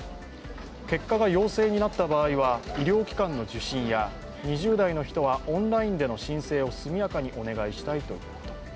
結果が陽性になった場合は医療機関の受診や２０代の人はオンラインでの申請を速やかにお願いしたいということです。